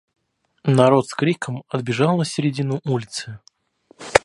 Народ с криком отбежал на середину улицы.